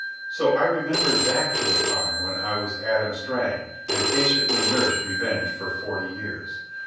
So I remembered back to the time when I was Adam Strang and patiently nursed revenge for forty years.